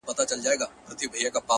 • هم یې وروڼه هم ورېرونه وه وژلي,